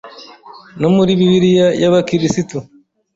no muri bibiliya y’abakirisitu;